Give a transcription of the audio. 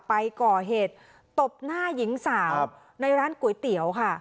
ไปก่อเหตุตบหน้าหญิงสาวในร้านก๋วยเตี๋ยวค่ะ